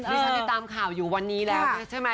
นี้ชัดนิกตามข่าวอยู่วันนี้แล้วใช่มั้ย